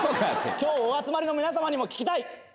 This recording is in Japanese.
今日お集まりの皆様にも聞きたい。